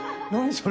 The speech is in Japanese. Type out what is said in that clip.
それ。